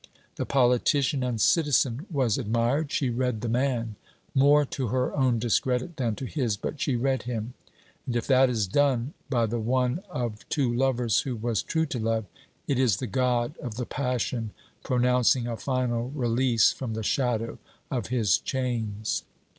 The politician and citizen was admired: she read the man; more to her own discredit than to his, but she read him, and if that is done by the one of two lovers who was true to love, it is the God of the passion pronouncing a final release from the shadow of his chains.